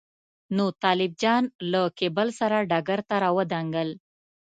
نو طالب جان له کېبل سره ډګر ته راودانګل.